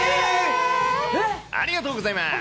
ありがとうございます。